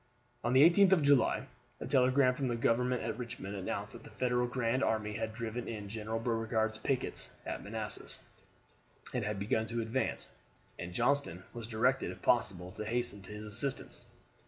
On the 18th of July a telegram from the government at Richmond announced that the Federal grand army had driven in General Beauregard's pickets at Manassas, and had begun to advance, and Johnston was directed if possible to hasten to his assistance.